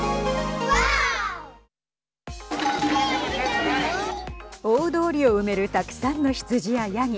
大通りを埋めるたくさんの羊や、やぎ。